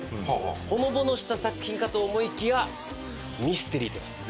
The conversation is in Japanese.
ほのぼのした作品かと思いきやミステリーとなって。